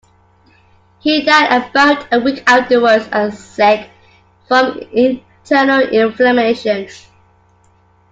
He died about a week afterwards at Cseke, from internal inflammation.